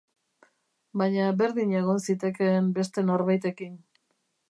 Baina berdin egon zitekeen beste norbaitekin.